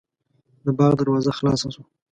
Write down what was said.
د باغ دروازه خلاصه شوه.